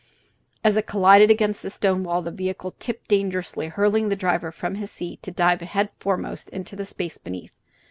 As it collided against the stone wall the vehicle tipped dangerously, hurling the driver from his seat to dive headforemost into the space beneath.